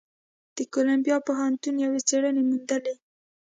د کولمبیا پوهنتون یوې څېړنې موندلې،